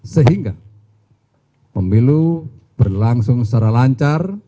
sehingga pemilu berlangsung secara lancar